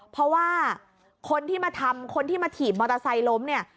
เพราะว่าคนที่มาทำคนที่มาถีบมอเตอร์ไซค์ล้มเนี่ย